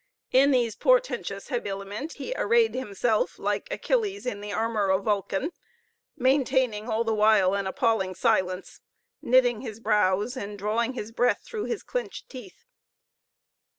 In these portentous habiliment she arrayed himself, like Achilles in the armor of Vulcan, maintaining all the while an appalling silence, knitting his brows, and drawing his breath through his clenched teeth.